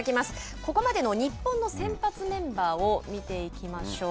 ここまでの日本の先発メンバーを見ていきましょう。